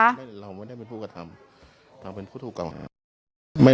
ไม่เราไม่ได้เป็นผู้กระทำเราเป็นผู้ถูกเก่าหาไม่